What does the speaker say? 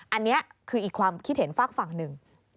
อันนี้คืออีกความคิดเห็นฝากฝั่งหนึ่ง